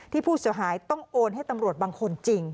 ที่ผู้เสียหายต้องโอนให้ตำรวจบางคนจริง